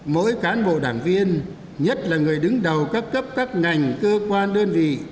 mỗi cán bộ đảng viên nhất là người đứng đầu các cấp các ngành cơ quan đơn vị